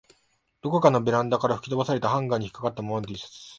どこかのベランダから吹き飛ばされたハンガーに掛かったままの Ｔ シャツ